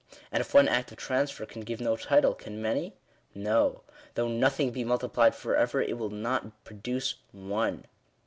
And if one act of transfer can give no title, can many ? No : though nothing be multiplied for ever, it will not produce one.